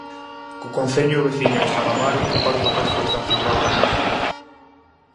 Co concello veciño de San Amaro comparte o castro de San Cibrao de Las.